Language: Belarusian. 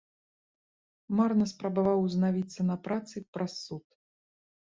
Марна спрабаваў узнавіцца на працы праз суд.